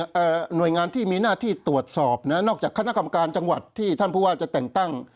เอ่อหน่วยงานที่มีหน้าที่ตรวจสอบนะนอกจากคณะกรรมการจังหวัดที่ท่านผู้ว่าจะแต่งตั้ง